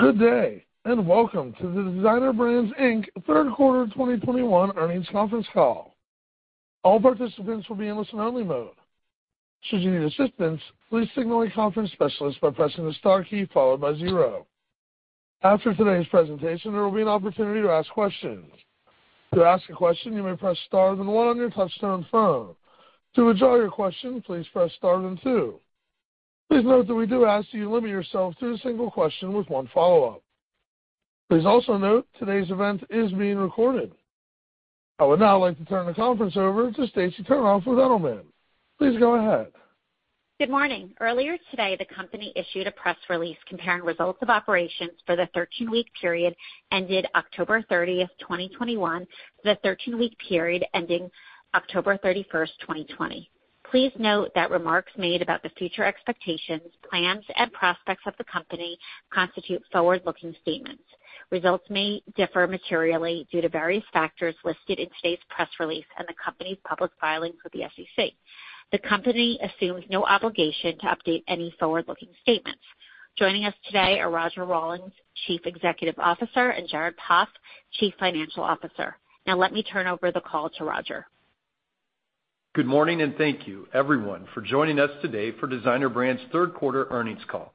Good day, and welcome to the Designer Brands Inc. Q3 2021 earnings conference call. All participants will be in listen-only mode. Should you need assistance, please signal a conference specialist by pressing the star key followed by zero. After today's presentation, there will be an opportunity to ask questions. To ask a question, you may press star then one on your touch-tone phone. To withdraw your question, please press star then two. Please note that we do ask that you limit yourself to a single question with one follow-up. Please also note today's event is being recorded. I would now like to turn the conference over to Stacy Turnof with Edelman. Please go ahead. Good morning. Earlier today, the company issued a press release comparing results of operations for the 13-week period ended October 30, 2021 to the 13-week period ending October 31, 2020. Please note that remarks made about the future expectations, plans, and prospects of the company constitute forward-looking statements. Results may differ materially due to various factors listed in today's press release and the company's public filings with the SEC. The company assumes no obligation to update any forward-looking statements. Joining us today are Roger Rawlins, Chief Executive Officer, and Jared Poff, Chief Financial Officer. Now let me turn over the call to Roger. Good morning and thank you everyone for joining us today for Designer Brands Q3 earnings call.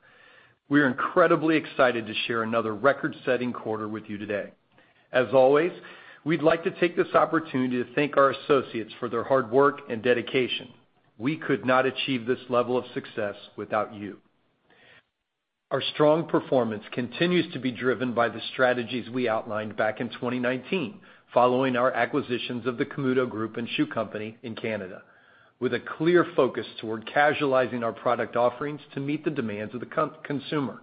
We are incredibly excited to share another record-setting quarter with you today. As always, we'd like to take this opportunity to thank our associates for their hard work and dedication. We could not achieve this level of success without you. Our strong performance continues to be driven by the strategies we outlined back in 2019 following our acquisitions of the Camuto Group and Shoe Company in Canada, with a clear focus toward casualizing our product offerings to meet the demands of the consumer.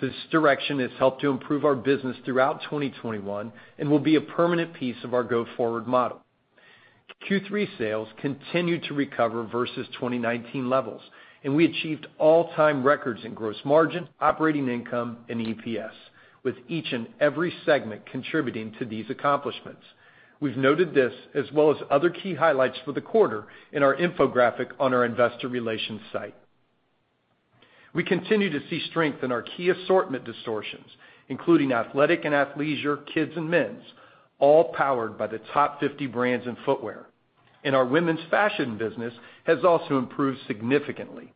This direction has helped to improve our business throughout 2021 and will be a permanent piece of our go-forward model. Q3 sales continued to recover versus 2019 levels, and we achieved all-time records in gross margin, operating income, and EPS, with each and every segment contributing to these accomplishments. We've noted this as well as other key highlights for the quarter in our infographic on our investor relations site. We continue to see strength in our key assortment distortions, including athletic and athleisure, kids and men's, all powered by the top 50 brands in footwear, and our women's fashion business has also improved significantly.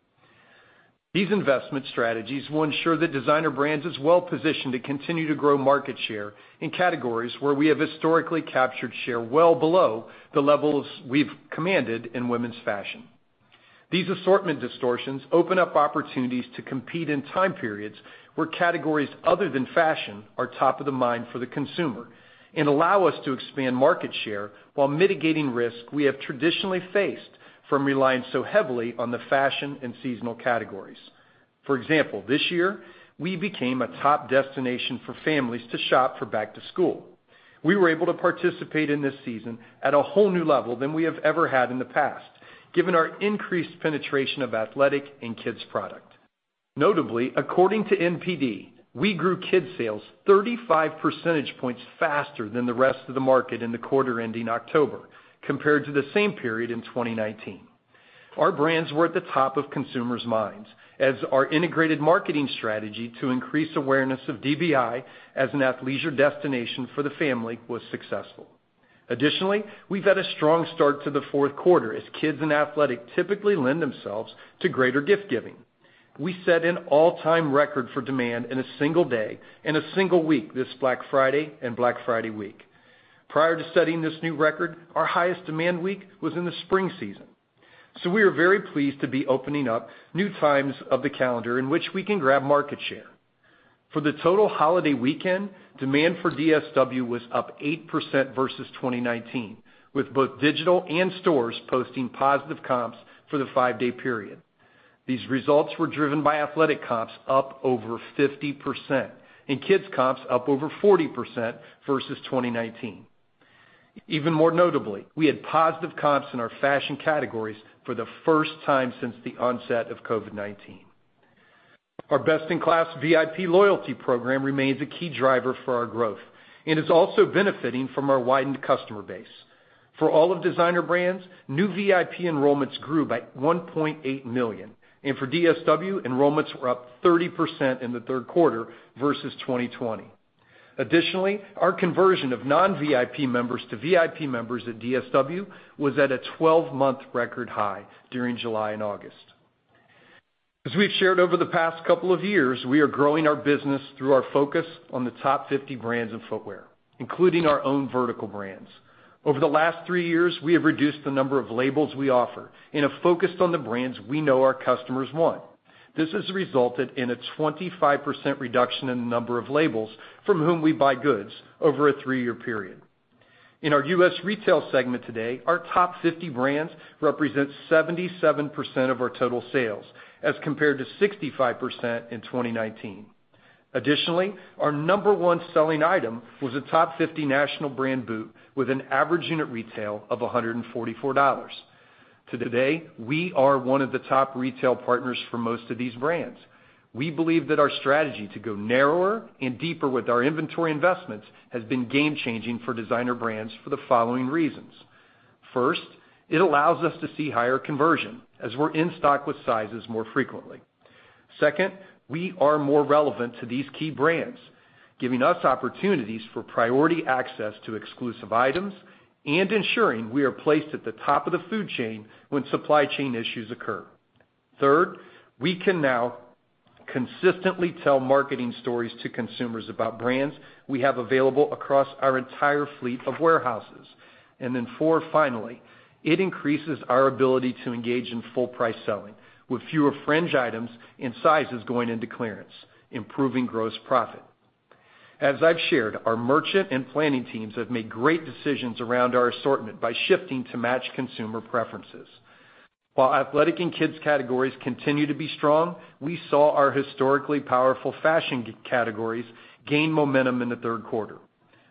These investment strategies will ensure that Designer Brands is well-positioned to continue to grow market share in categories where we have historically captured share well below the levels we've commanded in women's fashion. These assortment distortions open up opportunities to compete in time periods where categories other than fashion are top of the mind for the consumer and allow us to expand market share while mitigating risk we have traditionally faced from relying so heavily on the fashion and seasonal categories. For example, this year, we became a top destination for families to shop for back to school. We were able to participate in this season at a whole new level than we have ever had in the past, given our increased penetration of athletic and kids product. Notably, according to NPD, we grew kids' sales 35 percentage points faster than the rest of the market in the quarter ending October compared to the same period in 2019. Our brands were at the top of consumers' minds as our integrated marketing strategy to increase awareness of DBI as an athleisure destination for the family was successful. Additionally, we've had a strong start to the Q4 as kids and athletic typically lend themselves to greater gift giving. We set an all-time record for demand in a single day, in a single week this Black Friday and Black Friday week. Prior to setting this new record, our highest demand week was in the spring season. We are very pleased to be opening up new times of the calendar in which we can grab market share. For the total holiday weekend, demand for DSW was up 8% versus 2019, with both digital and stores posting positive comps for the five-day period. These results were driven by athletic comps up over 50% and kids' comps up over 40% versus 2019. Even more notably, we had positive comps in our fashion categories for the first time since the onset of COVID-19. Our best-in-class VIP loyalty program remains a key driver for our growth and is also benefiting from our widened customer base. For all of Designer Brands, new VIP enrollments grew by 1.8 million, and for DSW, enrollments were up 30% in the Q3 versus 2020. Additionally, our conversion of non-VIP members to VIP members at DSW was at a 12-month record high during July and August. As we've shared over the past couple of years, we are growing our business through our focus on the top 50 brands of footwear, including our own vertical brands. Over the last three years, we have reduced the number of labels we offer and have focused on the brands we know our customers want. This has resulted in a 25% reduction in the number of labels from whom we buy goods over a three-year period. In our U.S. retail segment today, our top 50 brands represent 77% of our total sales as compared to 65% in 2019. Additionally, our number one selling item was a top 50 national brand boot with an average unit retail of $144. Today, we are one of the top retail partners for most of these brands. We believe that our strategy to go narrower and deeper with our inventory investments has been game changing for Designer Brands for the following reasons. First, it allows us to see higher conversion as we're in stock with sizes more frequently. Second, we are more relevant to these key brands, giving us opportunities for priority access to exclusive items and ensuring we are placed at the top of the food chain when supply chain issues occur. Third, we can now consistently tell marketing stories to consumers about brands we have available across our entire fleet of warehouses. Four, finally, it increases our ability to engage in full price selling, with fewer fringe items and sizes going into clearance, improving gross profit. As I've shared, our merchant and planning teams have made great decisions around our assortment by shifting to match consumer preferences. While athletic and kids categories continue to be strong, we saw our historically powerful fashion categories gain momentum in the Q3.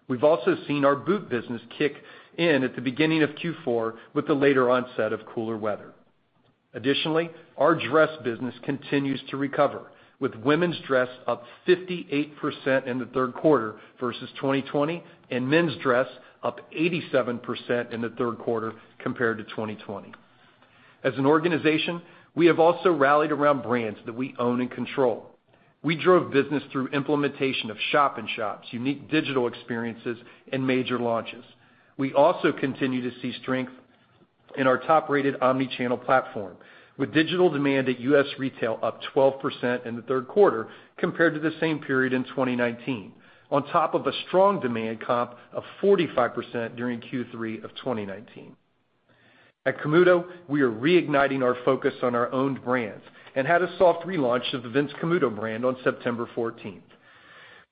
We've also seen our boot business kick in at the beginning of Q4 with the later onset of cooler weather. Additionally, our dress business continues to recover, with women's dress up 58% in the Q3 versus 2020, and men's dress up 87% in the Q3 compared to 2020. As an organization, we have also rallied around brands that we own and control. We drove business through implementation of shop in shops, unique digital experiences and major launches. We also continue to see strength in our top-rated omni-channel platform, with digital demand at U.S. retail up 12% in the Q3 compared to the same period in 2019, on top of a strong demand comp of 45% during Q3 of 2019. At Camuto, we are reigniting our focus on our own brands and had a soft relaunch of the Vince Camuto brand on September 14th.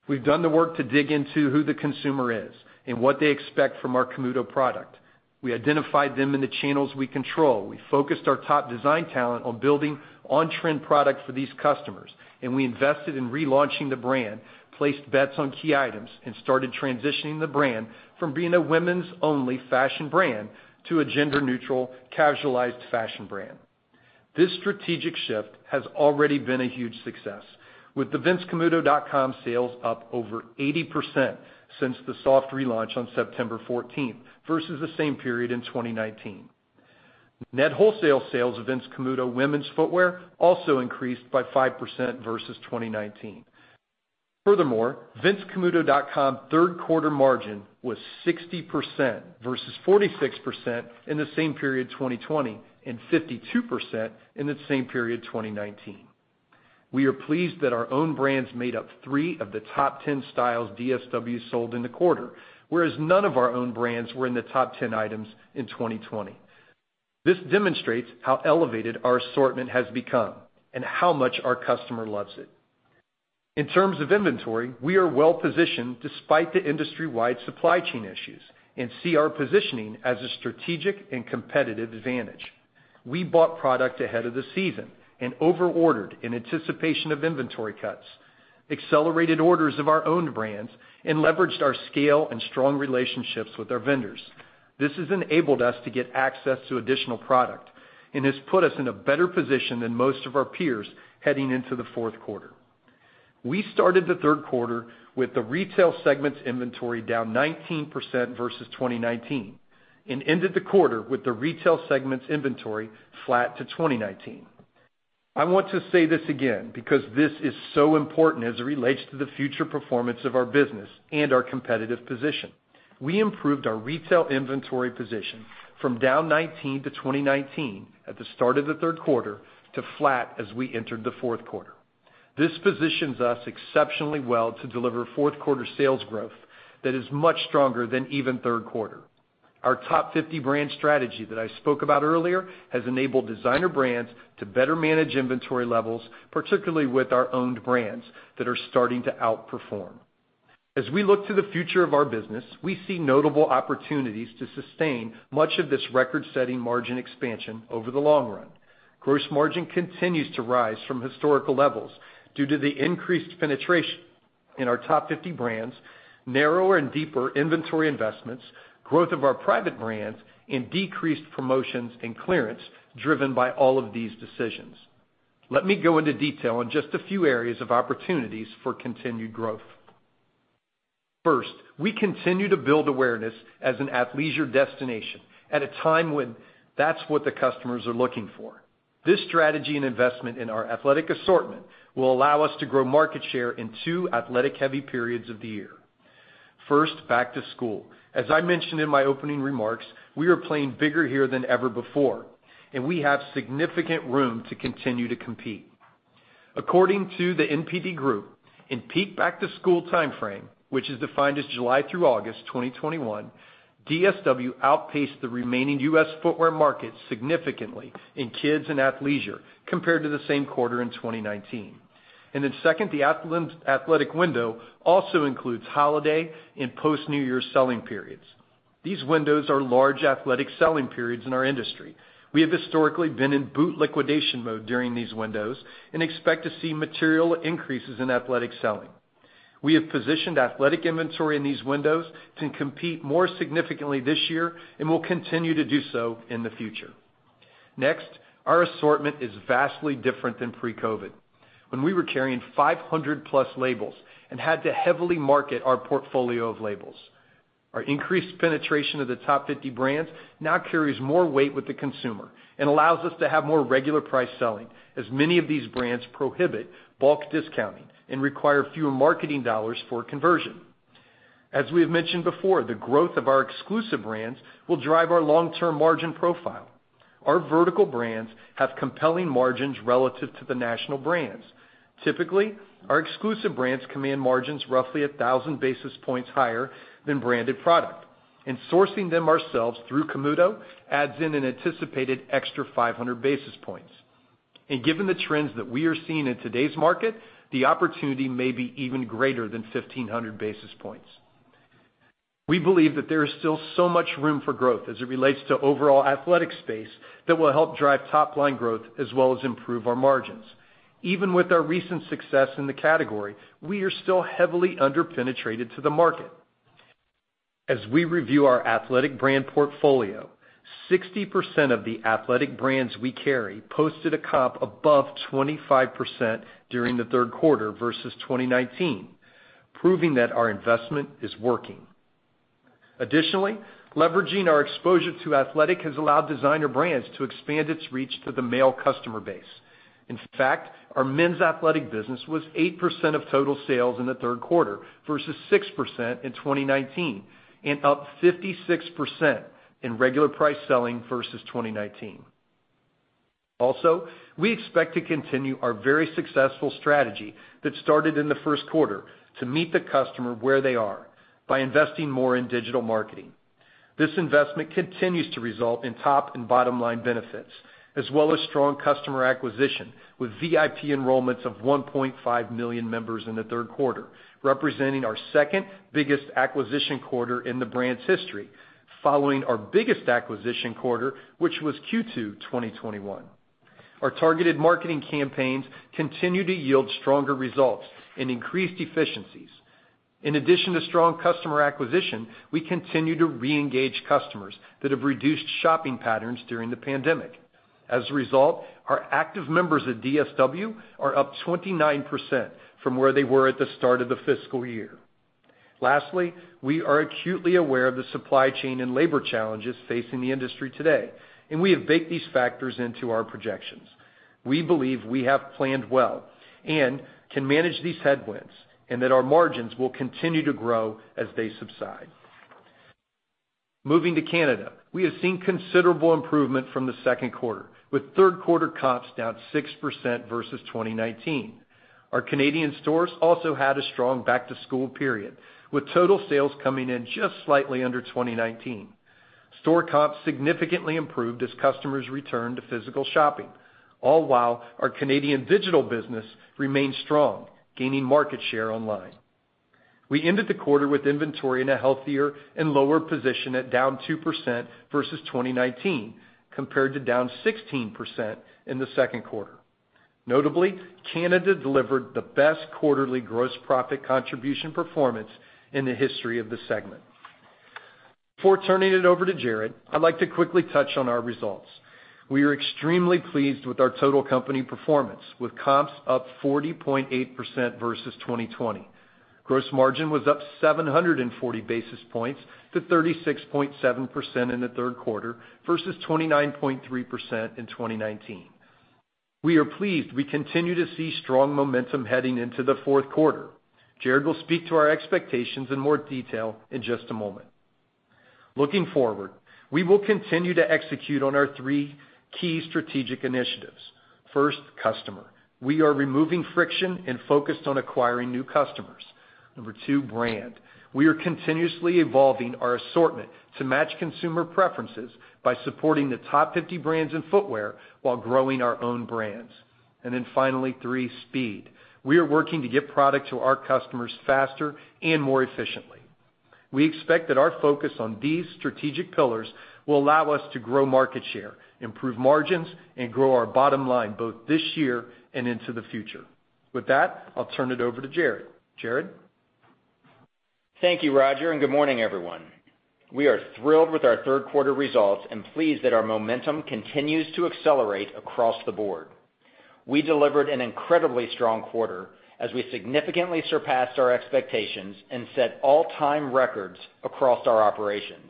We've done the work to dig into who the consumer is and what they expect from our Camuto product. We identified them in the channels we control. We focused our top design talent on building on-trend products for these customers, and we invested in relaunching the brand, placed bets on key items, and started transitioning the brand from being a women's-only fashion brand to a gender-neutral, casualized fashion brand. This strategic shift has already been a huge success, with the vincecamuto.com sales up over 80% since the soft relaunch on September 14th versus the same period in 2019. Net wholesale sales of Vince Camuto women's footwear also increased by 5% versus 2019. Furthermore, vincecamuto.com Q3 margin was 60% versus 46% in the same period 2020 and 52% in the same period 2019. We are pleased that our own brands made up three of the top 10 styles DSW sold in the quarter, whereas none of our own brands were in the top 10 items in 2020. This demonstrates how elevated our assortment has become and how much our customer loves it. In terms of inventory, we are well-positioned despite the industry-wide supply chain issues and see our positioning as a strategic and competitive advantage. We bought product ahead of the season and over-ordered in anticipation of inventory cuts, accelerated orders of our own brands, and leveraged our scale and strong relationships with our vendors. This has enabled us to get access to additional product and has put us in a better position than most of our peers heading into the Q4. We started the Q3 with the retail segment's inventory down 19% versus 2019 and ended the quarter with the retail segment's inventory flat to 2019. I want to say this again because this is so important as it relates to the future performance of our business and our competitive position. We improved our retail inventory position from down 19-2019 at the start of the Q3 to flat as we entered the Q4. This positions us exceptionally well to deliver Q4 sales growth that is much stronger than even Q3. Our top fifty brand strategy that I spoke about earlier has enabled Designer Brands to better manage inventory levels, particularly with our own brands that are starting to outperform. As we look to the future of our business, we see notable opportunities to sustain much of this record-setting margin expansion over the long run. Gross margin continues to rise from historical levels due to the increased penetration in our top fifty brands, narrower and deeper inventory investments, growth of our private brands, and decreased promotions and clearance driven by all of these decisions. Let me go into detail on just a few areas of opportunities for continued growth. First, we continue to build awareness as an athleisure destination at a time when that's what the customers are looking for. This strategy and investment in our athletic assortment will allow us to grow market share in two athletic-heavy periods of the year. First, back to school. As I mentioned in my opening remarks, we are playing bigger here than ever before, and we have significant room to continue to compete. According to the NPD Group, in peak back-to-school timeframe, which is defined as July through August 2021, DSW outpaced the remaining U.S. footwear market significantly in kids and athleisure compared to the same quarter in 2019. Second, the athletic window also includes holiday and post-New Year's selling periods. These windows are large athletic selling periods in our industry. We have historically been in boot liquidation mode during these windows and expect to see material increases in athletic selling. We have positioned athletic inventory in these windows to compete more significantly this year and will continue to do so in the future. Next, our assortment is vastly different than pre-COVID, when we were carrying 500+ labels and had to heavily market our portfolio of labels. Our increased penetration of the top 50 brands now carries more weight with the consumer and allows us to have more regular price selling, as many of these brands prohibit bulk discounting and require fewer marketing dollars for conversion. As we have mentioned before, the growth of our exclusive brands will drive our long-term margin profile. Our vertical brands have compelling margins relative to the national brands. Typically, our exclusive brands command margins roughly 1,000 basis points higher than branded product, and sourcing them ourselves through Camuto adds in an anticipated extra 500 basis points. Given the trends that we are seeing in today's market, the opportunity may be even greater than 1500 basis points. We believe that there is still so much room for growth as it relates to overall athletic space that will help drive top-line growth as well as improve our margins. Even with our recent success in the category, we are still heavily under-penetrated to the market. As we review our athletic brand portfolio, 60% of the athletic brands we carry posted a comp above 25% during the Q3 versus 2019, proving that our investment is working. Additionally, leveraging our exposure to athletic has allowed Designer Brands to expand its reach to the male customer base. In fact, our men's athletic business was 8% of total sales in the Q3 versus 6% in 2019, and up 56% in regular price selling versus 2019. We expect to continue our very successful strategy that started in the Q1 to meet the customer where they are by investing more in digital marketing. This investment continues to result in top and bottom-line benefits, as well as strong customer acquisition, with VIP enrollments of 1.5 million members in the Q3, representing our second-biggest acquisition quarter in the brand's history, following our biggest acquisition quarter, which was Q2 2021. Our targeted marketing campaigns continue to yield stronger results and increased efficiencies. In addition to strong customer acquisition, we continue to reengage customers that have reduced shopping patterns during the pandemic. As a result, our active members at DSW are up 29% from where they were at the start of the fiscal year. Lastly, we are acutely aware of the supply chain and labor challenges facing the industry today, and we have baked these factors into our projections. We believe we have planned well and can manage these headwinds, and that our margins will continue to grow as they subside. Moving to Canada, we have seen considerable improvement from the Q2, with Q3 comps down 6% versus 2019. Our Canadian stores also had a strong back-to-school period, with total sales coming in just slightly under 2019. Store comps significantly improved as customers returned to physical shopping, all while our Canadian digital business remained strong, gaining market share online. We ended the quarter with inventory in a healthier and lower position at down 2% versus 2019, compared to down 16% in the Q2. Notably, Canada delivered the best quarterly gross profit contribution performance in the history of the segment. Before turning it over to Jared, I'd like to quickly touch on our results. We are extremely pleased with our total company performance, with comps up 40.8% versus 2020. Gross margin was up 740 basis points to 36.7% in the Q3 versus 29.3% in 2019. We are pleased we continue to see strong momentum heading into the Q4. Jared will speak to our expectations in more detail in just a moment. Looking forward, we will continue to execute on our three key strategic initiatives. First, customer. We are removing friction and are focused on acquiring new customers. Number two, brand. We are continuously evolving our assortment to match consumer preferences by supporting the top 50 brands in footwear while growing our own brands. Finally, three, speed. We are working to get product to our customers faster and more efficiently. We expect that our focus on these strategic pillars will allow us to grow market share, improve margins, and grow our bottom line both this year and into the future. With that, I'll turn it over to Jared. Jared? Thank you, Roger, and good morning, everyone. We are thrilled with our Q3 results and pleased that our momentum continues to accelerate across the board. We delivered an incredibly strong quarter as we significantly surpassed our expectations and set all-time records across our operations,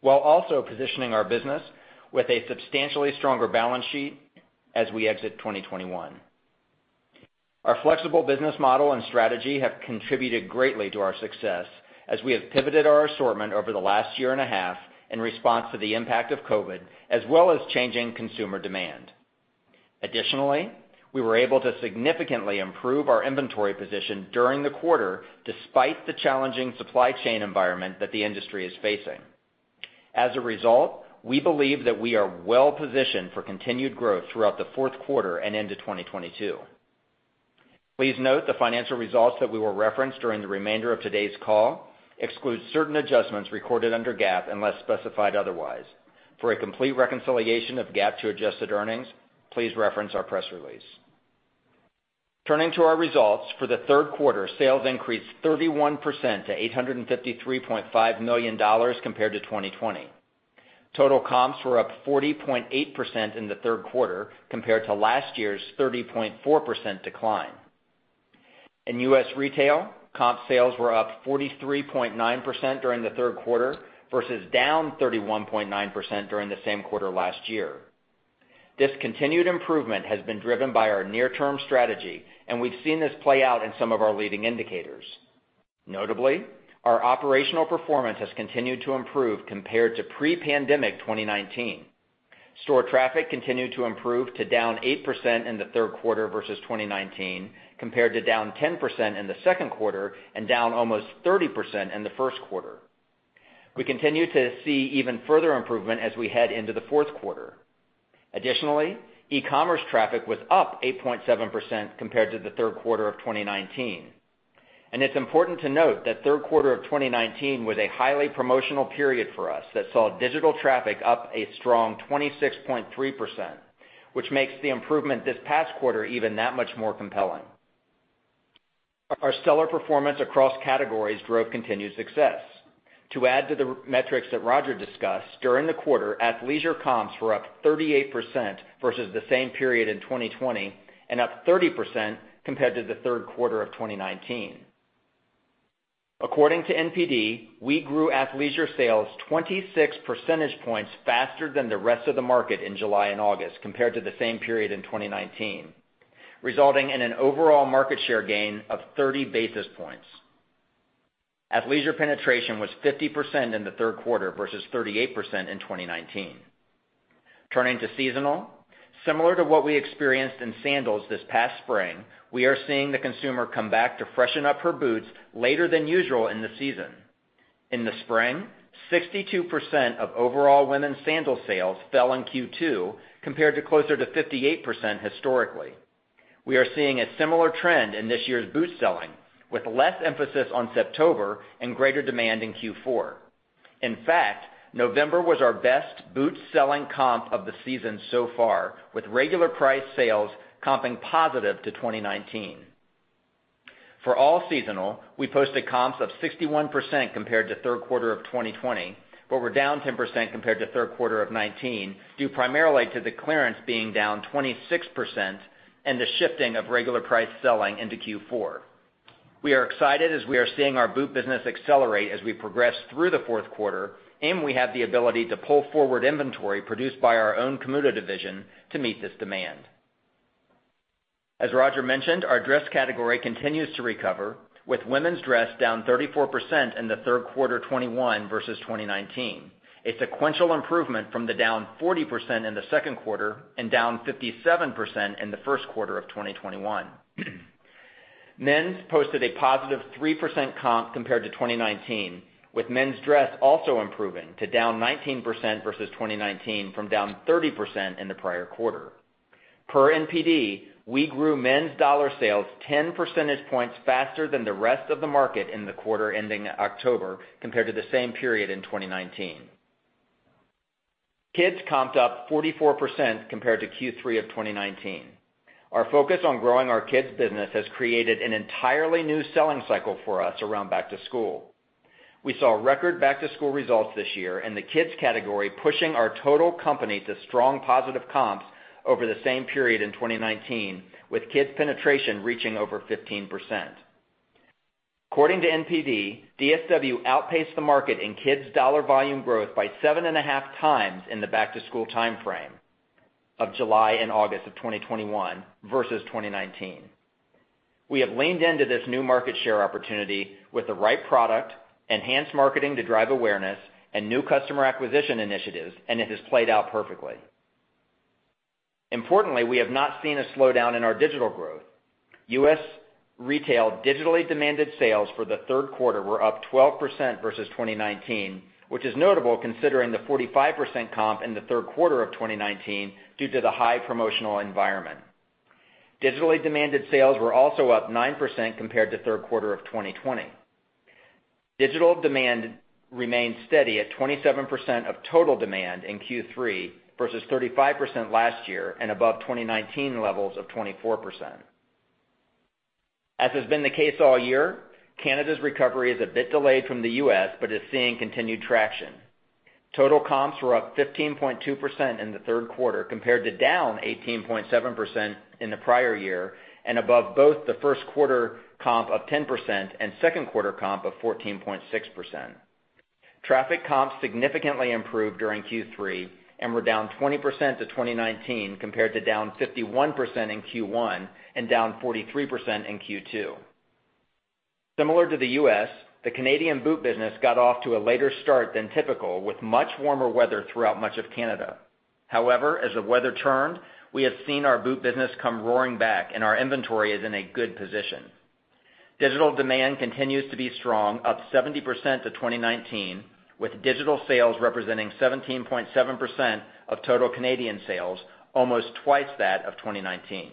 while also positioning our business with a substantially stronger balance sheet as we exit 2021. Our flexible business model and strategy have contributed greatly to our success as we have pivoted our assortment over the last year and a half in response to the impact of COVID, as well as changing consumer demand. Additionally, we were able to significantly improve our inventory position during the quarter despite the challenging supply chain environment that the industry is facing. As a result, we believe that we are well-positioned for continued growth throughout the Q4 and into 2022. Please note the financial results that we will reference during the remainder of today's call exclude certain adjustments recorded under GAAP unless specified otherwise. For a complete reconciliation of GAAP to adjusted earnings, please reference our press release. Turning to our results. For the Q3, sales increased 31% to $853.5 million compared to 2020. Total comps were up 40.8% in the Q3 compared to last year's 30.4% decline. In U.S. retail, comp sales were up 43.9% during the Q3 versus down 31.9% during the same quarter last year. This continued improvement has been driven by our near-term strategy, and we've seen this play out in some of our leading indicators. Notably, our operational performance has continued to improve compared to pre-pandemic 2019. Store traffic continued to improve to down 8% in the Q3 versus 2019, compared to down 10% in the Q2 and down almost 30% in the Q1. We continue to see even further improvement as we head into the Q4. Additionally, e-commerce traffic was up 8.7% compared to the Q3 of 2019. It's important to note that Q3 of 2019 was a highly promotional period for us that saw digital traffic up a strong 26.3%, which makes the improvement this past quarter even that much more compelling. Our stellar performance across categories drove continued success. To add to the metrics that Roger discussed, during the quarter, athleisure comps were up 38% versus the same period in 2020 and up 30% compared to the Q3 of 2019. According to NPD, we grew athleisure sales 26 percentage points faster than the rest of the market in July and August compared to the same period in 2019, resulting in an overall market share gain of 30 basis points. Athleisure penetration was 50% in the Q3 versus 38% in 2019. Turning to seasonal. Similar to what we experienced in sandals this past spring, we are seeing the consumer come back to freshen up her boots later than usual in the season. In the spring, 62% of overall women's sandal sales fell in Q2 compared to closer to 58% historically. We are seeing a similar trend in this year's boot selling, with less emphasis on September and greater demand in Q4. In fact, November was our best boot-selling comp of the season so far, with regular price sales comping positive to 2019. For all seasonal, we posted comps of 61% compared to Q3 of 2020, but we're down 10% compared to Q3 of 2019, due primarily to the clearance being down 26% and the shifting of regular price selling into Q4. We are excited as we are seeing our boot business accelerate as we progress through the Q4, and we have the ability to pull forward inventory produced by our own Camuto division to meet this demand. As Roger mentioned, our dress category continues to recover, with women's dress down 34% in the Q3 2021 versus 2019, a sequential improvement from the down 40% in the Q2 and down 57% in the Q1 of 2021. Men's posted a positive 3% comp compared to 2019, with men's dress also improving to down 19% versus 2019 from down 30% in the prior quarter. Per NPD, we grew men's dollar sales 10 percentage points faster than the rest of the market in the quarter ending October compared to the same period in 2019. Kids comped up 44% compared to Q3 of 2019. Our focus on growing our kids business has created an entirely new selling cycle for us around back to school. We saw record back to school results this year in the kids category, pushing our total company to strong positive comps over the same period in 2019, with kids penetration reaching over 15%. According to NPD, DSW outpaced the market in kids' dollar volume growth by 7.5 times in the back to school timeframe of July and August of 2021 versus 2019. We have leaned into this new market share opportunity with the right product, enhanced marketing to drive awareness, and new customer acquisition initiatives, and it has played out perfectly. Importantly, we have not seen a slowdown in our digital growth. U.S. retail digitally demanded sales for the Q3 were up 12% versus 2019, which is notable considering the 45% comp in the Q3 of 2019 due to the high promotional environment. Digitally demanded sales were also up 9% compared to Q3 of 2020. Digital demand remains steady at 27% of total demand in Q3 versus 35% last year and above 2019 levels of 24%. Canada's recovery is a bit delayed from the U.S., but is seeing continued traction. Total comps were up 15.2% in the Q3 compared to down 18.7% in the prior year and above both the Q1 comp of 10% and Q2 comp of 14.6%. Traffic comps significantly improved during Q3 and were down 20% to 2019 compared to down 51% in Q1 and down 43% in Q2. Similar to the U.S., the Canadian boot business got off to a later start than typical with much warmer weather throughout much of Canada. However, as the weather turned, we have seen our boot business come roaring back and our inventory is in a good position. Digital demand continues to be strong, up 70% to 2019, with digital sales representing 17.7% of total Canadian sales, almost twice that of 2019.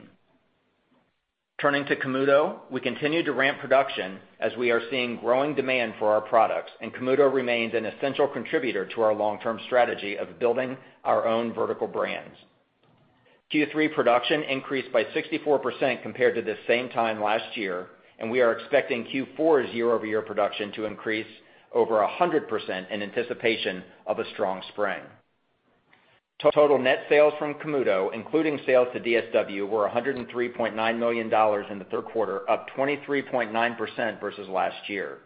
Turning to Camuto, we continue to ramp production as we are seeing growing demand for our products, and Camuto remains an essential contributor to our long-term strategy of building our own vertical brands. Q3 production increased by 64% compared to this same time last year, and we are expecting Q4's year-over-year production to increase over 100% in anticipation of a strong spring. Total net sales from Camuto, including sales to DSW, were $103.9 million in the Q3, up 23.9% versus last year.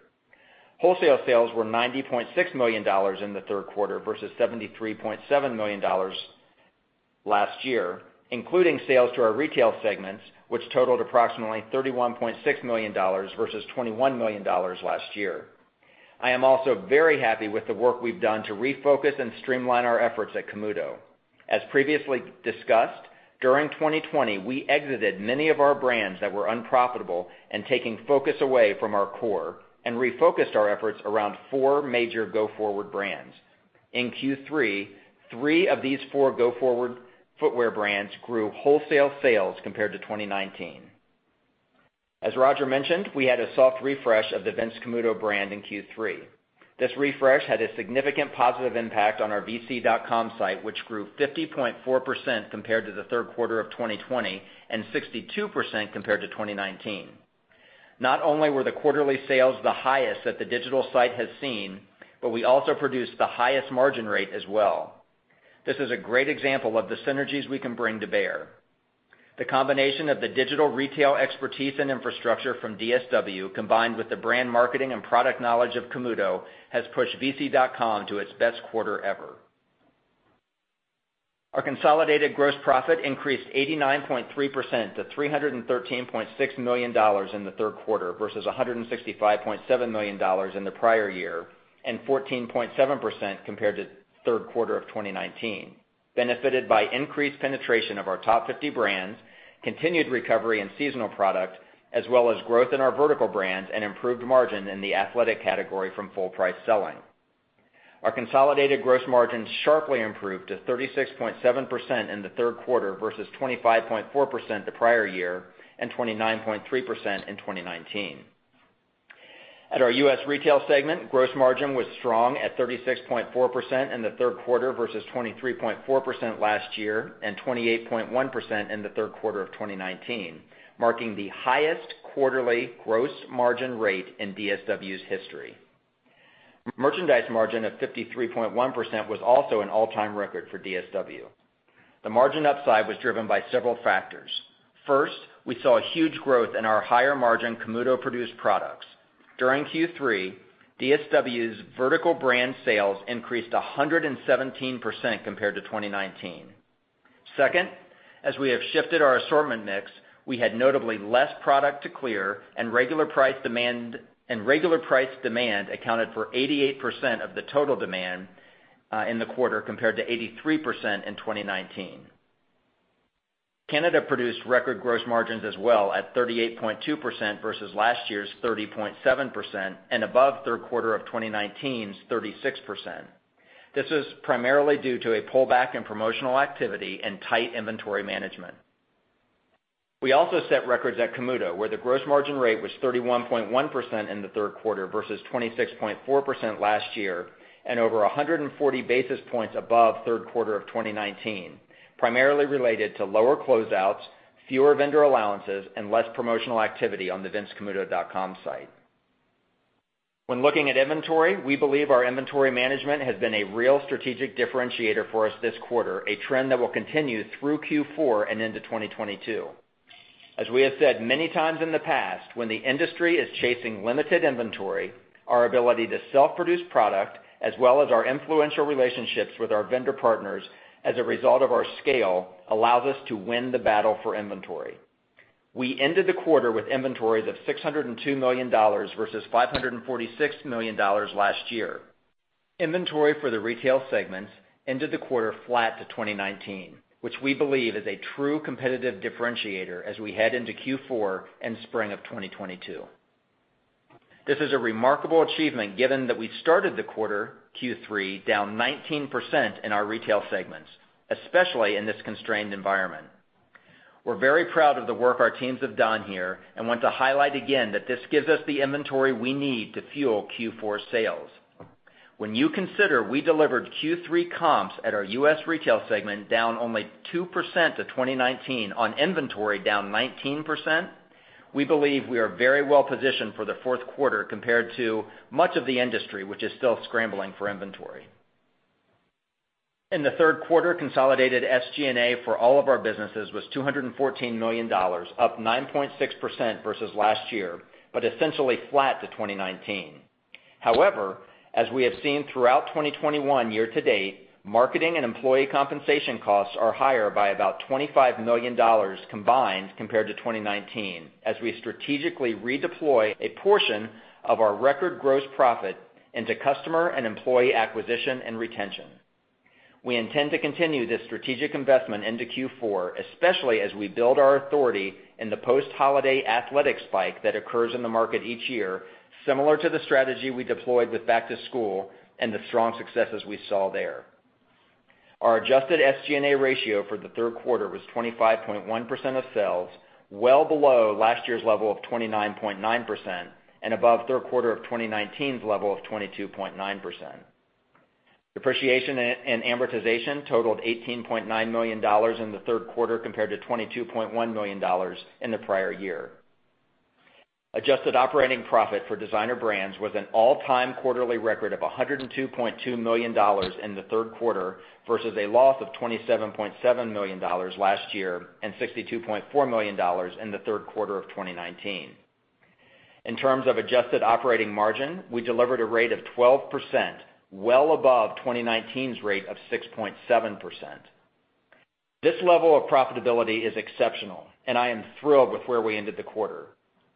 Wholesale sales were $90.6 million in the Q3 versus $73.7 million last year, including sales to our retail segments, which totaled approximately $31.6 million versus $21 million last year. I am also very happy with the work we've done to refocus and streamline our efforts at Camuto. As previously discussed, during 2020, we exited many of our brands that were unprofitable and taking focus away from our core and refocused our efforts around four major go-forward brands. In Q3, three of these four go-forward footwear brands grew wholesale sales compared to 2019. As Roger mentioned, we had a soft refresh of the Vince Camuto brand in Q3. This refresh had a significant positive impact on our vc.com site, which grew 50.4% compared to the Q3 of 2020 and 62% compared to 2019. Not only were the quarterly sales the highest that the digital site has seen, but we also produced the highest margin rate as well. This is a great example of the synergies we can bring to bear. The combination of the digital retail expertise and infrastructure from DSW, combined with the brand marketing and product knowledge of Camuto, has pushed vc.com to its best quarter ever. Our consolidated gross profit increased 89.3% to $313.6 million in the Q3 versus $165.7 million in the prior year, and 14.7% compared to Q3 of 2019, benefited by increased penetration of our top 50 brands, continued recovery in seasonal product, as well as growth in our vertical brands and improved margin in the athletic category from full price selling. Our consolidated gross margin sharply improved to 36.7% in the Q3 versus 25.4% the prior year and 29.3% in 2019. At our U.S. retail segment, gross margin was strong at 36.4% in the Q3 versus 23.4% last year, and 28.1% in the Q3 of 2019, marking the highest quarterly gross margin rate in DSW's history. Merchandise margin of 53.1% was also an all-time record for DSW. The margin upside was driven by several factors. First, we saw a huge growth in our higher-margin Camuto-produced products. During Q3, DSW's vertical brand sales increased 117% compared to 2019. Second, as we have shifted our assortment mix, we had notably less product to clear and regular price demand, and regular price demand accounted for 88% of the total demand in the quarter, compared to 83% in 2019. Canada produced record gross margins as well at 38.2% versus last year's 30.7% and above Q3 of 2019's 36%. This is primarily due to a pullback in promotional activity and tight inventory management. We also set records at Camuto, where the gross margin rate was 31.1% in the Q3 versus 26.4% last year, and over 140 basis points above Q3 of 2019, primarily related to lower closeouts, fewer vendor allowances, and less promotional activity on the vincecamuto.com site. When looking at inventory, we believe our inventory management has been a real strategic differentiator for us this quarter, a trend that will continue through Q4 and into 2022. As we have said many times in the past, when the industry is chasing limited inventory, our ability to self-produce product as well as our influential relationships with our vendor partners as a result of our scale allows us to win the battle for inventory. We ended the quarter with inventory of $602 million versus $546 million last year. Inventory for the retail segments ended the quarter flat to 2019, which we believe is a true competitive differentiator as we head into Q4 and spring of 2022. This is a remarkable achievement, given that we started the quarter, Q3, down 19% in our retail segments, especially in this constrained environment. We're very proud of the work our teams have done here and want to highlight again that this gives us the inventory we need to fuel Q4 sales. When you consider we delivered Q3 comps at our U.S. retail segment down only 2% to 2019 on inventory down 19%, we believe we are very well positioned for the Q4 compared to much of the industry, which is still scrambling for inventory. In the Q3, consolidated SG&A for all of our businesses was $214 million, up 9.6% versus last year, but essentially flat to 2019. However, as we have seen throughout 2021 year to date, marketing and employee compensation costs are higher by about $25 million combined compared to 2019 as we strategically redeploy a portion of our record gross profit into customer and employee acquisition and retention. We intend to continue this strategic investment into Q4, especially as we build our authority in the post-holiday athletic spike that occurs in the market each year, similar to the strategy we deployed with back to school and the strong successes we saw there. Our adjusted SG&A ratio for the Q3 was 25.1% of sales, well below last year's level of 29.9% and above Q3 of 2019's level of 22.9%. Depreciation and amortization totaled $18.9 million in the Q3 compared to $22.1 million in the prior year. Adjusted operating profit for Designer Brands was an all-time quarterly record of $102.2 million in the Q3 versus a loss of $27.7 million last year and $62.4 million in the Q3 of 2019. In terms of adjusted operating margin, we delivered a rate of 12%, well above 2019's rate of 6.7%. This level of profitability is exceptional, and I am thrilled with where we ended the quarter.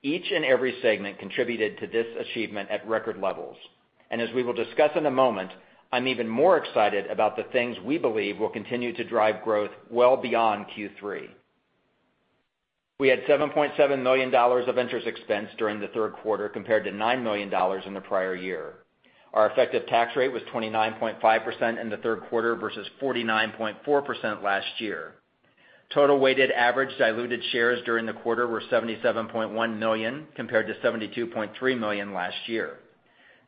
Each and every segment contributed to this achievement at record levels. As we will discuss in a moment, I'm even more excited about the things we believe will continue to drive growth well beyond Q3. We had $7.7 million of interest expense during the Q3 compared to $9 million in the prior year. Our effective tax rate was 29.5% in the Q3 versus 49.4% last year. Total weighted average diluted shares during the quarter were 77.1 million compared to 72.3 million last year.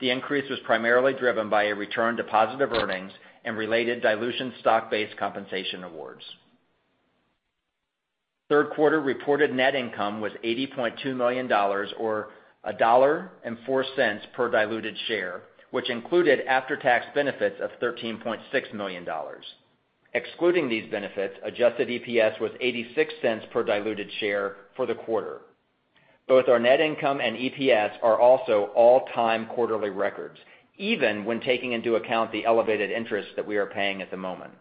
The increase was primarily driven by a return to positive earnings and related dilution stock-based compensation awards. Q3 reported net income was $80.2 million or $1.04 per diluted share, which included after-tax benefits of $13.6 million. Excluding these benefits, adjusted EPS was $0.86 per diluted share for the quarter. Both our net income and EPS are also all-time quarterly records, even when taking into account the elevated interest that we are paying at the moment.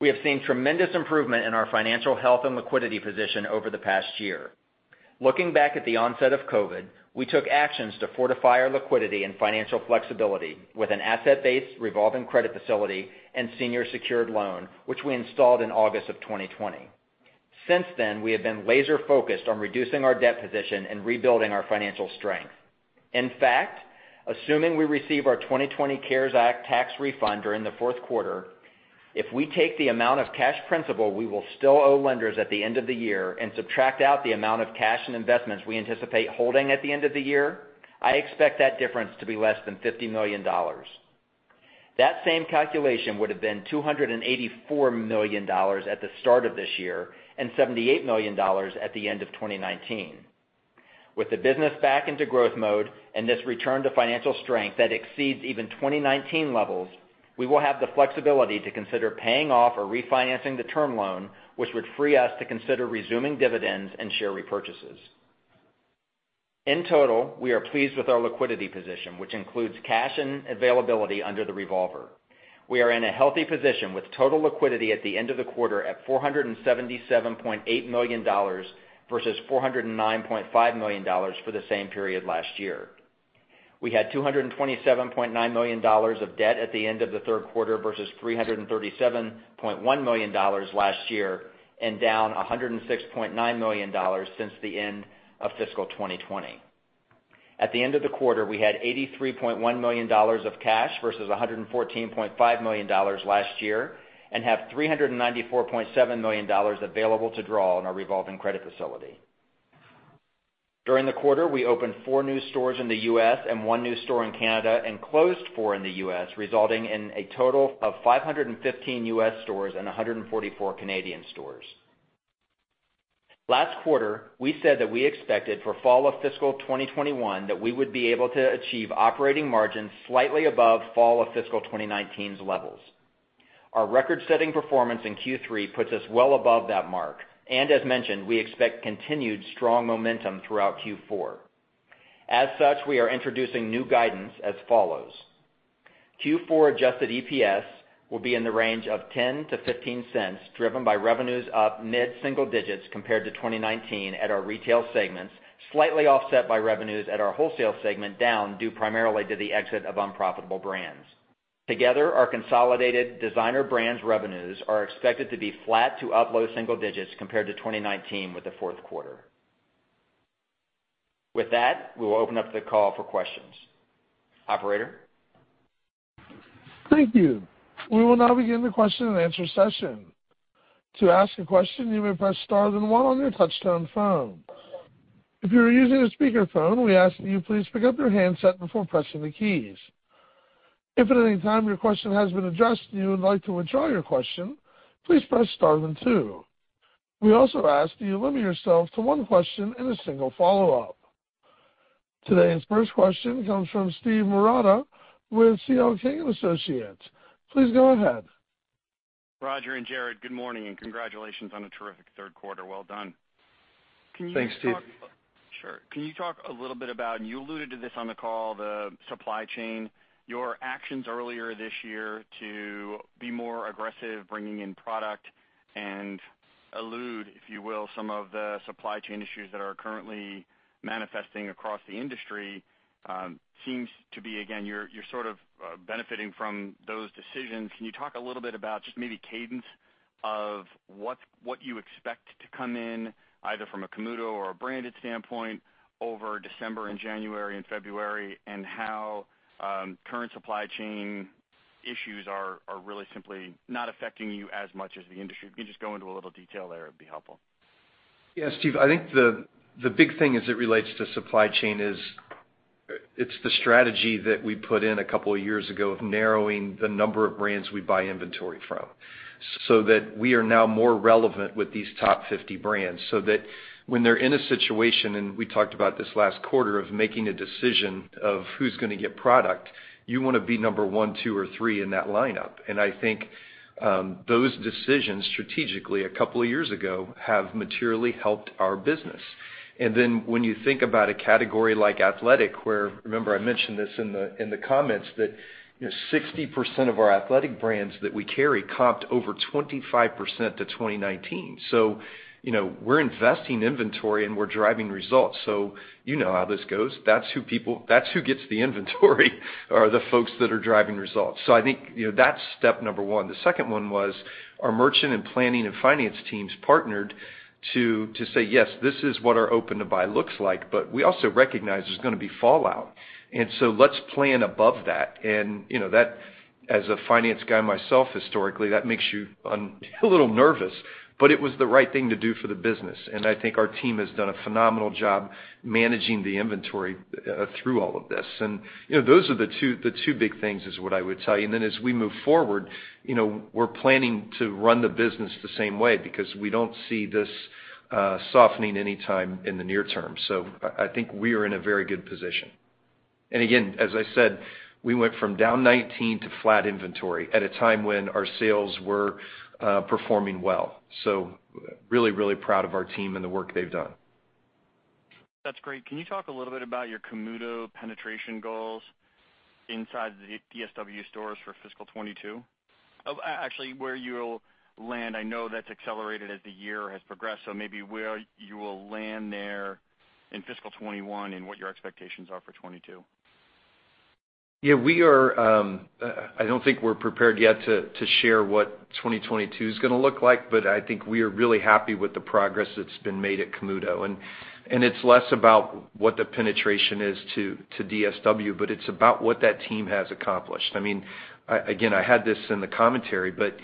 We have seen tremendous improvement in our financial health and liquidity position over the past year. Looking back at the onset of COVID, we took actions to fortify our liquidity and financial flexibility with an asset-based revolving credit facility and senior secured loan, which we installed in August of 2020. Since then, we have been laser-focused on reducing our debt position and rebuilding our financial strength. In fact, assuming we receive our 2020 CARES Act tax refund during the Q4, if we take the amount of cash principal we will still owe lenders at the end of the year and subtract out the amount of cash and investments we anticipate holding at the end of the year, I expect that difference to be less than $50 million. That same calculation would have been $284 million at the start of this year and $78 million at the end of 2019. With the business back into growth mode and this return to financial strength that exceeds even 2019 levels, we will have the flexibility to consider paying off or refinancing the term loan, which would free us to consider resuming dividends and share repurchases. In total, we are pleased with our liquidity position, which includes cash and availability under the revolver. We are in a healthy position with total liquidity at the end of the quarter at $477.8 million versus $409.5 million for the same period last year. We had $227.9 million of debt at the end of the Q3 versus $337.1 million last year and down $106.9 million since the end of fiscal 2020. At the end of the quarter, we had $83.1 million of cash versus $114.5 million last year and have $394.7 million available to draw on our revolving credit facility. During the quarter, we opened 4 new stores in the U.S. and 1 new store in Canada and closed four in the U.S., resulting in a total of 515 U.S. stores and 144 Canadian stores. Last quarter, we said that we expected for fall of fiscal 2021 that we would be able to achieve operating margins slightly above fall of fiscal 2019's levels. Our record-setting performance in Q3 puts us well above that mark. As mentioned, we expect continued strong momentum throughout Q4. As such, we are introducing new guidance as follows. Q4 adjusted EPS will be in the range of $0.10-$0.15, driven by revenues up mid-single digits% compared to 2019 at our retail segments, slightly offset by revenues at our wholesale segment down due primarily to the exit of unprofitable brands. Together, our consolidated Designer Brands revenues are expected to be flat to up low single digits% compared to 2019 with the Q4. With that, we will open up the call for questions. Operator? Thank you. We will now begin the question and answer session. To ask a question, you may press star then one on your touch-tone phone. If you are using a speaker phone, we ask that you please pick up your handset before pressing the keys. If at any time your question has been addressed and you would like to withdraw your question, please press star then two. We also ask that you limit yourself to one question and a single follow-up. Today's first question comes from Steve Marotta with CL King & Associates. Please go ahead. Roger and Jared, good morning, and congratulations on a terrific Q3. Well done. Thanks, Steve. Sure. Can you talk a little bit about, and you alluded to this on the call, the supply chain, your actions earlier this year to be more aggressive, bringing in product and elude, if you will, some of the supply chain issues that are currently manifesting across the industry. It seems to be, again, you are sort of benefiting from those decisions. Can you talk a little bit about just maybe cadence of what you expect to come in, either from a Camuto or a branded standpoint over December and January and February, and how current supply chain issues are really simply not affecting you as much as the industry? If you can just go into a little detail there, it'd be helpful. Yes, Steve, I think the big thing as it relates to supply chain is it's the strategy that we put in a couple of years ago of narrowing the number of brands we buy inventory from, so that we are now more relevant with these top 50 brands. That when they're in a situation, and we talked about this last quarter, of making a decision of who's gonna get product, you wanna be number one, two or three in that lineup. I think those decisions strategically a couple of years ago have materially helped our business. When you think about a category like athletic, where, remember I mentioned this in the comments that, you know, 60% of our athletic brands that we carry comped over 25% to 2019. You know, we're investing inventory and we're driving results. You know how this goes. That's who gets the inventory are the folks that are driving results. I think, you know, that's step number one. The second one was our merchant and planning and finance teams partnered to say, yes, this is what our open-to-buy looks like, but we also recognize there's gonna be fallout. Let's plan above that. You know, as a finance guy myself, historically, that makes you a little nervous, but it was the right thing to do for the business. I think our team has done a phenomenal job managing the inventory through all of this. You know, those are the two big things is what I would tell you. Then as we move forward, you know, we're planning to run the business the same way because we don't see this softening anytime in the near term. I think we are in a very good position. Again, as I said, we went from down 19 to flat inventory at a time when our sales were performing well. Really, really proud of our team and the work they've done. That's great. Can you talk a little bit about your Camuto penetration goals inside the DSW stores for fiscal 2022? Actually, where you'll land. I know that's accelerated as the year has progressed, so maybe where you will land there in fiscal 2021 and what your expectations are for 2022? Yeah, we are, I don't think we're prepared yet to share what 2022 is gonna look like, but I think we are really happy with the progress that's been made at Camuto. It's less about what the penetration is to DSW, but it's about what that team has accomplished. I mean, I had this in the commentary, but,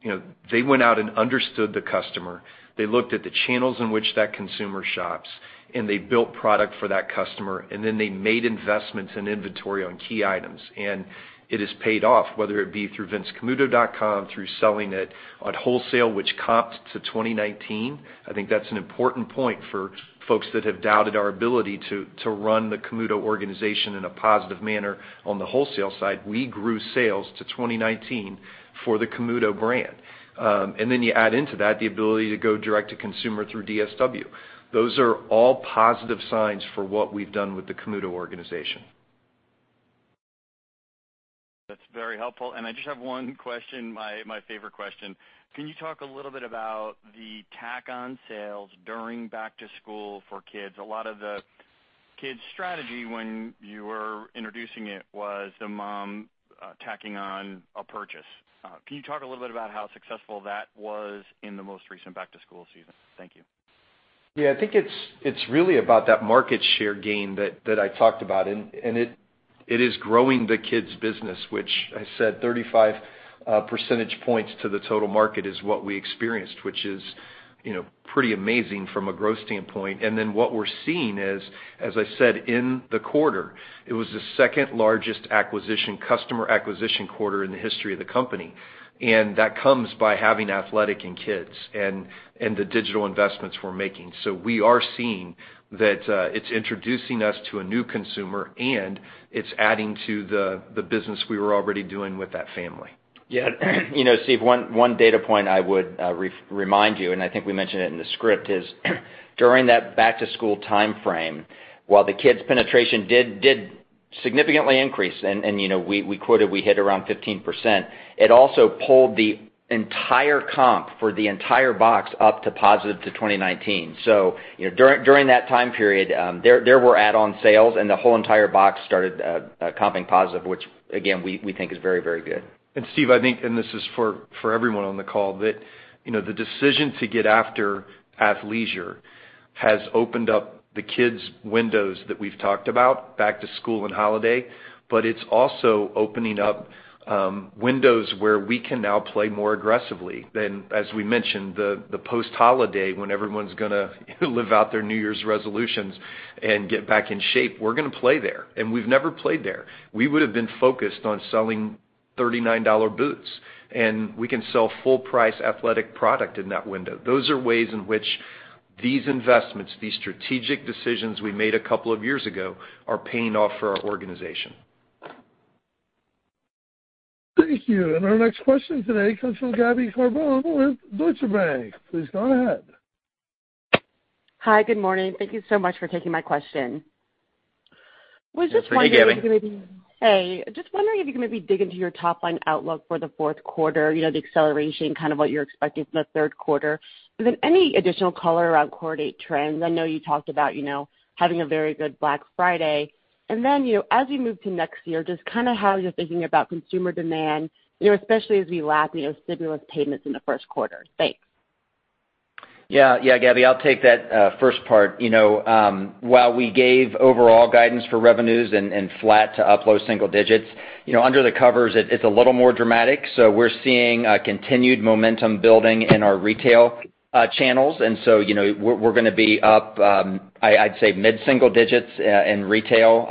you know, they went out and understood the customer. They looked at the channels in which that consumer shops, and they built product for that customer, and then they made investments in inventory on key items. It has paid off, whether it be through vincecamuto.com, through selling it on wholesale, which comped to 2019. I think that's an important point for folks that have doubted our ability to run the Camuto organization in a positive manner. On the wholesale side, we grew sales to 2019 for the Camuto brand. You add into that the ability to go direct to consumer through DSW. Those are all positive signs for what we've done with the Camuto organization. That's very helpful. I just have one question, my favorite question. Can you talk a little bit about the tack-on sales during back to school for kids? A lot of the kids strategy when you were introducing it was the mom tacking on a purchase. Can you talk a little bit about how successful that was in the most recent back to school season? Thank you. Yeah. I think it's really about that market share gain that I talked about. It is growing the kids business, which I said 35 percentage points to the total market is what we experienced, which is, you know, pretty amazing from a growth standpoint. Then what we're seeing is, as I said in the quarter, it was the second largest acquisition, customer acquisition quarter in the history of the company. That comes by having athletic and kids and the digital investments we're making. We are seeing that it's introducing us to a new consumer, and it's adding to the business we were already doing with that family. Yeah. You know, Steve, one data point I would remind you, and I think we mentioned it in the script, is during that back to school timeframe, while the kids' penetration did significantly increase, and you know, we quoted we hit around 15%, it also pulled the entire comp for the entire box up to positive to 2019. You know, during that time period, there were add-on sales, and the whole entire box started comping positive, which again, we think is very good. Steve, I think, and this is for everyone on the call, that, you know, the decision to get after athleisure has opened up the kids' windows that we've talked about, back to school and holiday, but it's also opening up windows where we can now play more aggressively than, as we mentioned, the post-holiday when everyone's gonna, you know, live out their New Year's resolutions and get back in shape. We're gonna play there, and we've never played there. We would've been focused on selling $39 boots, and we can sell full price athletic product in that window. Those are ways in which these investments, these strategic decisions we made a couple of years ago are paying off for our organization. Thank you. Our next question today comes from Gabriella Carbone with Deutsche Bank. Please go on ahead. Hi, good morning. Thank you so much for taking my question. I was just wondering if you could maybe. Thanks, Gabby. Hey. Just wondering if you could maybe dig into your top line outlook for the Q4, you know, the acceleration, kind of what you're expecting for the Q3. Any additional color around core data trends? I know you talked about, you know, having a very good Black Friday. You know, as we move to next year, just kinda how you're thinking about consumer demand, you know, especially as we lap, you know, stimulus payments in the Q1? Thanks. Yeah. Yeah, Gabby Carbone, I'll take that first part. You know, while we gave overall guidance for revenues and flat to up low single digits, you know, under the covers it's a little more dramatic. We're seeing a continued momentum building in our retail channels. You know, we're gonna be up. I'd say mid-single digits in retail.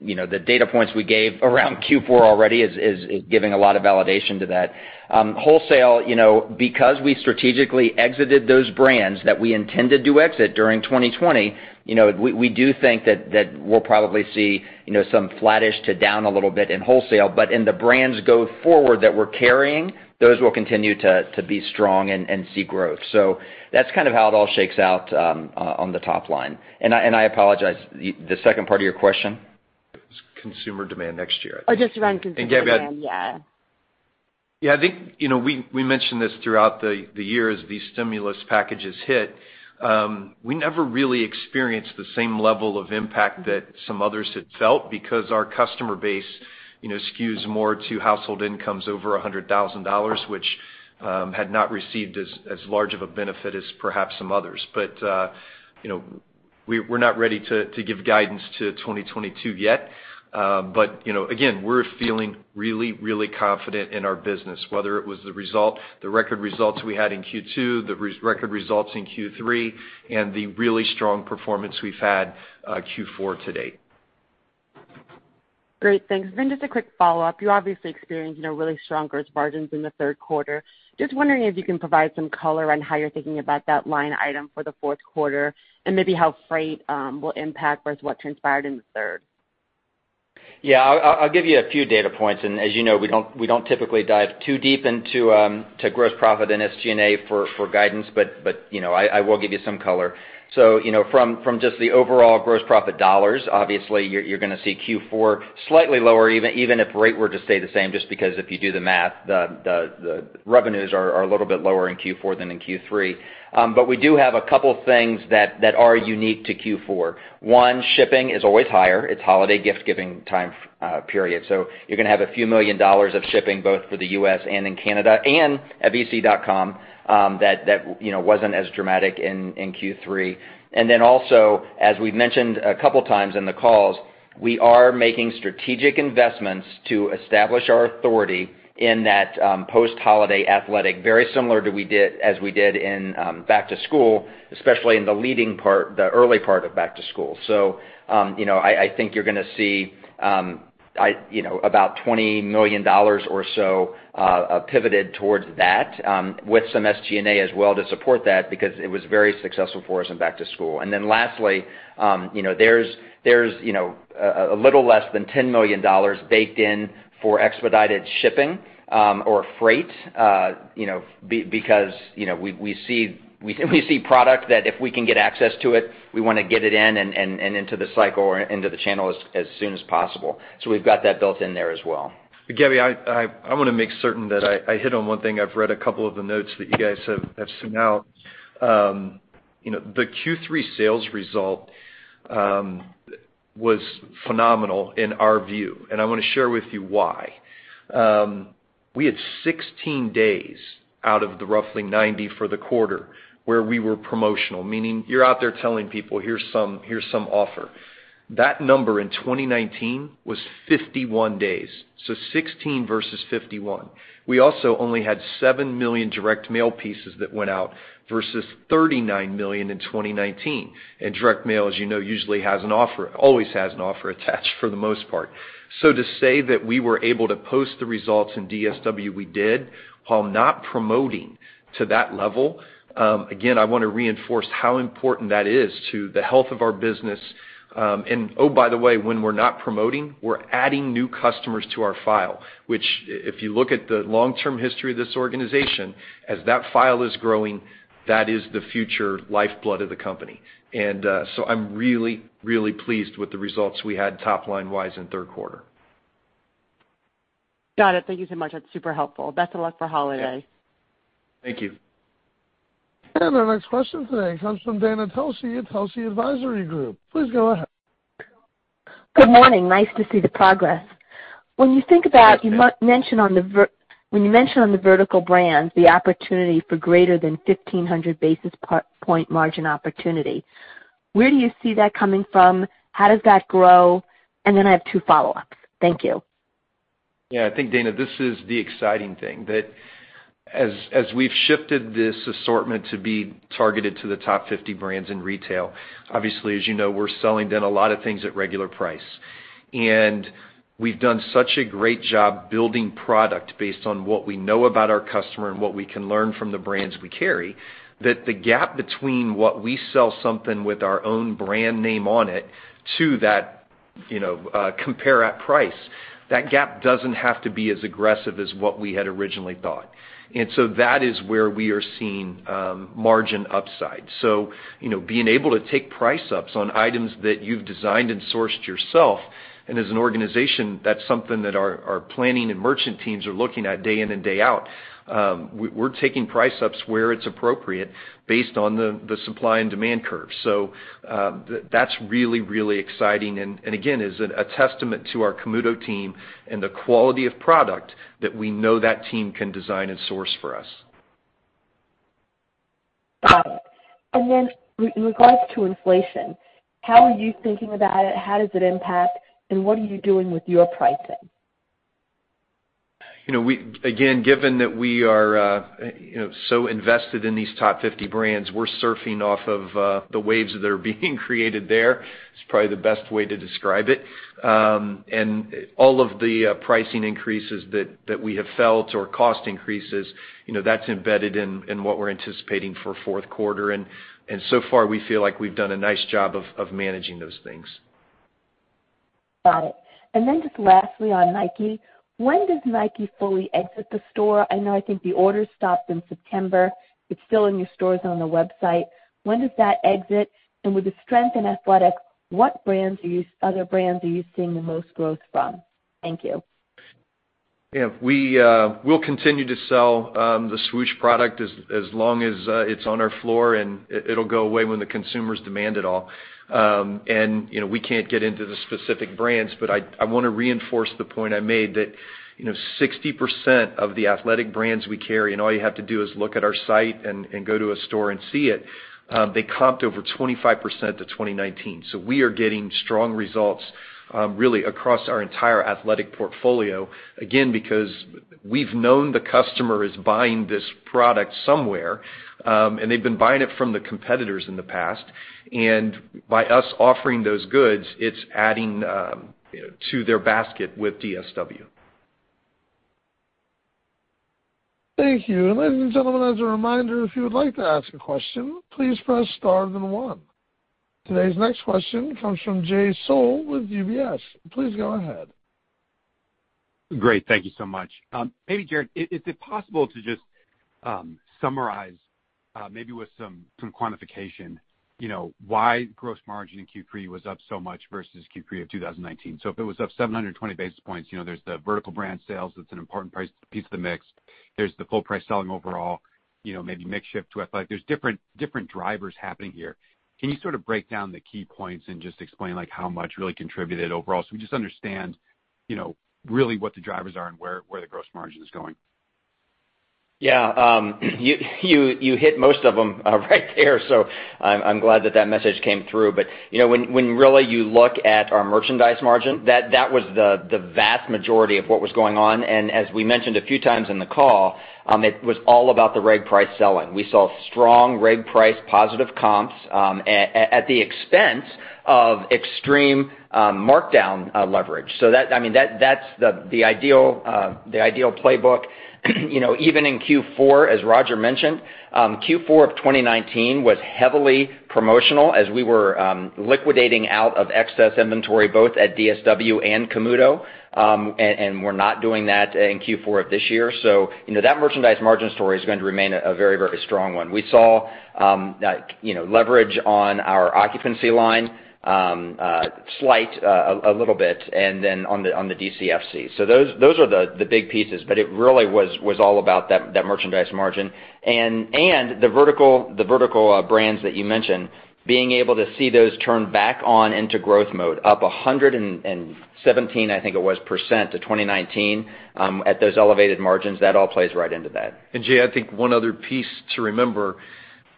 You know, the data points we gave around Q4 already is giving a lot of validation to that. Wholesale, you know, because we strategically exited those brands that we intended to exit during 2020, you know, we do think that we'll probably see, you know, some flattish to down a little bit in wholesale. But in the brands going forward that we're carrying, those will continue to be strong and see growth. That's kind of how it all shakes out on the top line. I apologize, the second part of your question. It's consumer demand next year. Oh, just around consumer demand. Gabby, I- Yeah. Yeah, I think, you know, we mentioned this throughout the year as these stimulus packages hit. We never really experienced the same level of impact that some others had felt because our customer base, you know, skews more to household incomes over $100,000, which had not received as large of a benefit as perhaps some others. But, you know, we're not ready to give guidance to 2022 yet. But, you know, again, we're feeling really confident in our business, whether it was the record results we had in Q2, the record results in Q3, and the really strong performance we've had Q4 to date. Great. Thanks. Just a quick follow-up. You obviously experienced, you know, really strong gross margins in the Q3. Just wondering if you can provide some color on how you're thinking about that line item for the Q4, and maybe how freight will impact versus what transpired in the third? Yeah. I'll give you a few data points, and as you know, we don't typically dive too deep into gross profit and SG&A for guidance, but you know, I will give you some color. You know, from just the overall gross profit dollars, obviously you're gonna see Q4 slightly lower, even if rate were to stay the same, just because if you do the math, the revenues are a little bit lower in Q4 than in Q3. We do have a couple things that are unique to Q4. One, shipping is always higher. It's holiday gift giving time period. You're gonna have a few million dollars of shipping both for the U.S. and in Canada and at dsw.ca that you know, wasn't as dramatic in Q3. Also, as we've mentioned a couple times in the calls, we are making strategic investments to establish our authority in that post-holiday athletic, very similar to as we did in back to school, especially in the leading part, the early part of back to school. You know, I think you're gonna see you know, about $20 million or so pivoted towards that with some SG&A as well to support that because it was very successful for us in back to school. Lastly, you know, there's you know, a little less than $10 million baked in for expedited shipping or freight, you know, because, you know, we see product that if we can get access to it, we wanna get it in and into the cycle or into the channel as soon as possible. We've got that built in there as well. Gabby, I wanna make certain that I hit on one thing. I've read a couple of the notes that you guys have sent out. You know, the Q3 sales result was phenomenal in our view, and I wanna share with you why. We had 16 days out of the roughly 90 for the quarter where we were promotional, meaning you're out there telling people, "Here's some offer." That number in 2019 was 51 days, so 16 versus 51. We also only had 7 million direct mail pieces that went out versus 39 million in 2019. Direct mail, as you know, usually has an offer, always has an offer attached for the most part. To say that we were able to post the results in DSW we did while not promoting to that level, again, I wanna reinforce how important that is to the health of our business. Oh, by the way, when we're not promoting, we're adding new customers to our file, which if you look at the long-term history of this organization, as that file is growing, that is the future lifeblood of the company. I'm really, really pleased with the results we had top-line wise in Q3. Got it. Thank you so much. That's super helpful. Best of luck for holiday. Thank you. Our next question today comes from Dana Telsey at Telsey Advisory Group. Please go ahead. Good morning. Nice to see the progress. When you think about Yes, ma'am. When you mention on the vertical brands, the opportunity for greater than 1,500 basis point margin opportunity, where do you see that coming from? How does that grow? And then I have two follow-ups. Thank you. Yeah. I think, Dana, this is the exciting thing, that as we've shifted this assortment to be targeted to the top 50 brands in retail, obviously, as you know, we're selling then a lot of things at regular price. We've done such a great job building product based on what we know about our customer and what we can learn from the brands we carry, that the gap between what we sell something with our own brand name on it to that, you know, compare at price, that gap doesn't have to be as aggressive as what we had originally thought. That is where we are seeing margin upside. You know, being able to take price ups on items that you've designed and sourced yourself, and as an organization, that's something that our planning and merchant teams are looking at day in and day out. We're taking price ups where it's appropriate based on the supply and demand curve. That's really exciting and again, is a testament to our Camuto team and the quality of product that we know that team can design and source for us. Regarding inflation, how are you thinking about it? How does it impact, and what are you doing with your pricing? You know, again, given that we are, you know, so invested in these top 50 brands, we're surfing off of the waves that are being created there. It's probably the best way to describe it. And all of the pricing increases that we have felt or cost increases, you know, that's embedded in what we're anticipating for Q4. So far we feel like we've done a nice job of managing those things. Got it. Just lastly on Nike, when does Nike fully exit the store? I know I think the order stopped in September. It's still in your stores on the website. When does that exit? With the strength in athletics, what other brands are you seeing the most growth from? Thank you. Yeah. We will continue to sell the Swoosh product as long as it's on our floor, and it'll go away when the consumers demand it all. You know, we can't get into the specific brands, but I wanna reinforce the point I made that, you know, 60% of the athletic brands we carry, and all you have to do is look at our site and go to a store and see it. They comped over 25% to 2019. We are getting strong results really across our entire athletic portfolio. Again, because we've known the customer is buying this product somewhere, and they've been buying it from the competitors in the past. By us offering those goods, it's adding to their basket with DSW. Thank you. Ladies and gentlemen, as a reminder, if you would like to ask a question, please press star then one. Today's next question comes from Jay Sole with UBS. Please go ahead. Great. Thank you so much. Maybe, Jared, is it possible to just summarize, maybe with some quantification, you know, why gross margin in Q3 was up so much versus Q3 of 2019? If it was up 720 basis points, you know, there's the vertical brand sales, that's an important piece of the mix. There's the full price selling overall, you know, maybe mix shift to athletic. There's different drivers happening here. Can you sort of break down the key points and just explain like how much really contributed overall so we just understand, you know, really what the drivers are and where the gross margin is going? Yeah. You hit most of them right there. I'm glad that message came through. You know, when really you look at our merchandise margin, that was the vast majority of what was going on. As we mentioned a few times in the call, it was all about the reg price selling. We saw strong reg price positive comps at the expense of extreme markdown leverage. That. I mean, that's the ideal playbook. You know, even in Q4, as Roger mentioned, Q4 of 2019 was heavily promotional as we were liquidating out of excess inventory both at DSW and Camuto. We're not doing that in Q4 of this year. You know, that merchandise margin story is going to remain a very, very strong one. We saw you know, leverage on our occupancy line, slight a little bit and then on the DC&FC. Those are the big pieces, but it really was all about that merchandise margin. The vertical brands that you mentioned, being able to see those turn back on into growth mode, up 117%, I think it was, to 2019, at those elevated margins, that all plays right into that. Jay, I think one other piece to remember,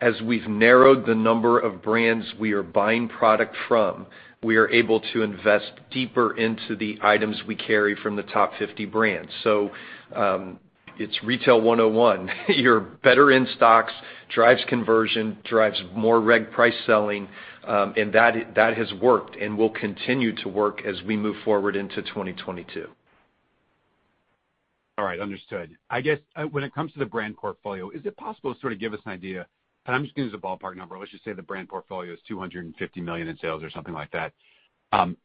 as we've narrowed the number of brands we are buying product from, we are able to invest deeper into the items we carry from the top 50 brands. It's retail 101. Your better-in-stocks drives conversion, drives more reg price selling, and that has worked and will continue to work as we move forward into 2022. All right, understood. I guess when it comes to the brand portfolio, is it possible to sort of give us an idea, and I'm just gonna use a ballpark number. Let's just say the brand portfolio is $250 million in sales or something like that.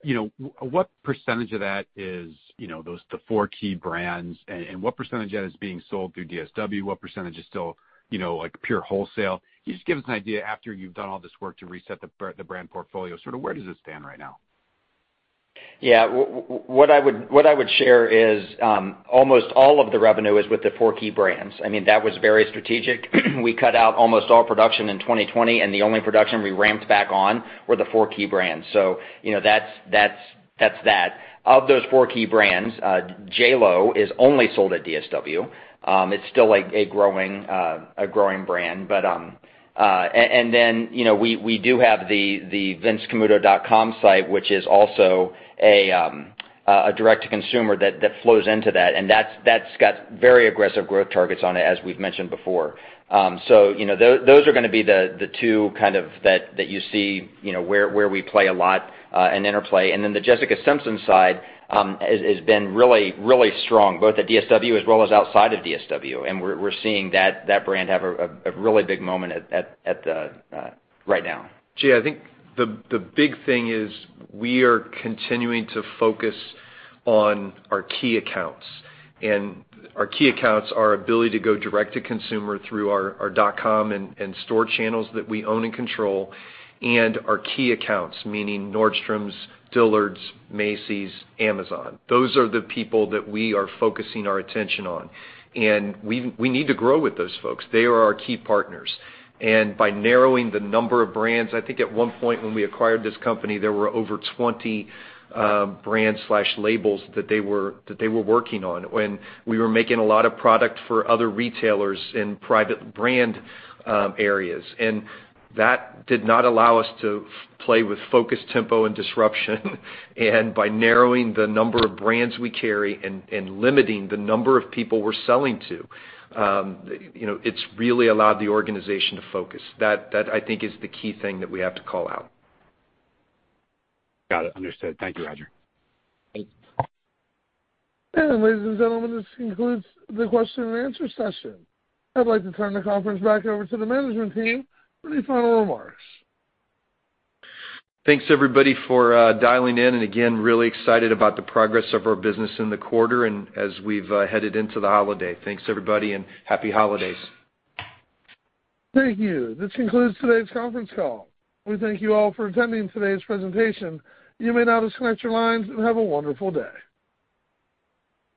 You know, what percentage of that is, you know, those, the four key brands and what percentage of that is being sold through DSW? What percentage is still, you know, like pure wholesale? Can you just give us an idea after you've done all this work to reset the brand portfolio, sort of where does it stand right now? Yeah. What I would share is almost all of the revenue is with the four key brands. I mean, that was very strategic. We cut out almost all production in 2020, and the only production we ramped back on were the four key brands. You know, that's that. Of those four key brands, J.Lo is only sold at DSW. It's still a growing brand. But and then, you know, we do have the vincecamuto.com site, which is also a direct to consumer that flows into that. That's got very aggressive growth targets on it, as we've mentioned before. You know, those are gonna be the two kind of that you see, you know, where we play a lot and interplay. The Jessica Simpson side has been really strong, both at DSW as well as outside of DSW. We're seeing that brand have a really big moment right now. Jay, I think the big thing is we are continuing to focus on our key accounts. Our key accounts, our ability to go direct to consumer through our dot-com and store channels that we own and control, and our key accounts, meaning Nordstrom, Dillard's, Macy's, Amazon. Those are the people that we are focusing our attention on. We need to grow with those folks. They are our key partners. By narrowing the number of brands, I think at one point when we acquired this company, there were over 20 brands, labels that they were working on when we were making a lot of product for other retailers in private brand areas. That did not allow us to play with focus, tempo, and disruption. By narrowing the number of brands we carry and limiting the number of people we're selling to, you know, it's really allowed the organization to focus. That I think is the key thing that we have to call out. Got it. Understood. Thank you, Roger. Thanks. Ladies and gentlemen, this concludes the question and answer session. I'd like to turn the conference back over to the management team for any final remarks. Thanks, everybody, for dialing in. Again, really excited about the progress of our business in the quarter and as we've headed into the holiday. Thanks, everybody, and happy holidays. Thank you. This concludes today's conference call. We thank you all for attending today's presentation. You may now disconnect your lines, and have a wonderful day.